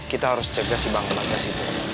kita harus jaga si bunga bagas itu